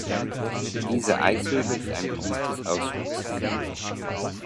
Diese Eishöhle ist ein beliebtes Ausflugsziel.